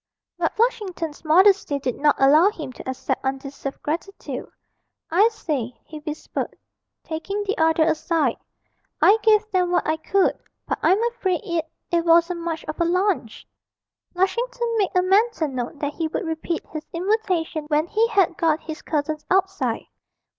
But Flushington's modesty did not allow him to accept undeserved gratitude. 'I say,' he whispered, taking the other aside, 'I gave them what I could, but I'm afraid it it wasn't much of a lunch.' Lushington made a mental note that he would repeat his invitation when he had got his cousins outside.